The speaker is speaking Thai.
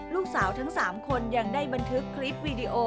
ลูกสาวทั้ง๓คนยังได้บันทึกคลิปวีดีโอ